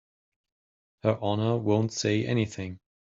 Her Honor won't say anything.